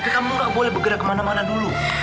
kamu gak boleh bergerak kemana mana dulu